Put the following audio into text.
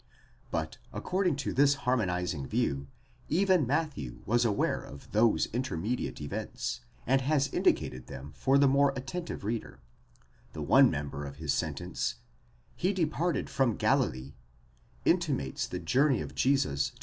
But, according to this harmonizing view, ἡ even Matthew was aware of those intermediate events, and has indicated them for the more attentive reader: the one member of his sentence, ἦς departed JSrom Galilee, μετῆρεν ἀπὸ τῆς Τ᾿αλιλαίας, intimates the journey of Jesus to the 7 Paulus, 2, 5.